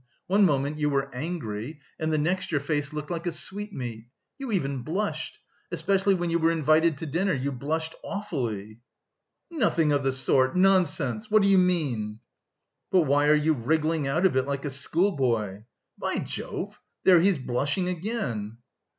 One moment you were angry, and the next your face looked like a sweetmeat. You even blushed; especially when you were invited to dinner, you blushed awfully." "Nothing of the sort, nonsense! What do you mean?" "But why are you wriggling out of it, like a schoolboy? By Jove, there he's blushing again."